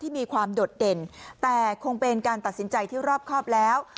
มีความโดดเด่นแต่คงเป็นการตัดสินใจที่รอบครอบแล้ว